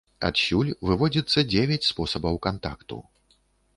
Адсюль выводзіцца дзевяць спосабаў кантакту.